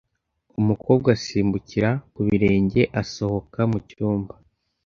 Umukobwa asimbukira ku birenge asohoka mu cyumba.